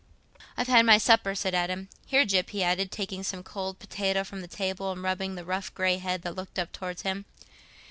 "I've had my supper," said Adam. "Here, Gyp," he added, taking some cold potato from the table and rubbing the rough grey head that looked up towards him.